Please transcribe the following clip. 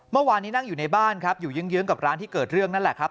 เมื่อวานนี้นั่งอยู่ในบ้านครับอยู่เยื้องกับร้านที่เกิดเรื่องนั่นแหละครับ